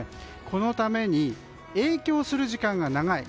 このために影響する時間が長い。